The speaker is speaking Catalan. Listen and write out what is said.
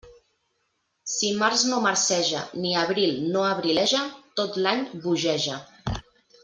Si març no marceja, ni abril no abrileja, tot l'any bogeja.